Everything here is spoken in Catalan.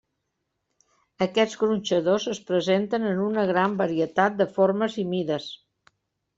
Aquests gronxadors es presenten en una gran varietat de formes i mides.